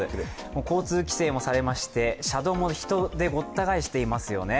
交通規制もされまして、車道も人でごった返していますよね。